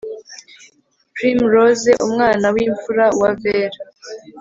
Primrose umwana wimfura wa Ver